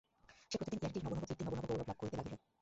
সে প্রতিদিন ইয়ার্কির নব নব কীর্তি, নব নব গৌরবলাভ করিতে লাগিল।